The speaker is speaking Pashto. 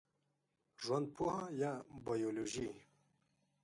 ژوندپوهه یا بېولوژي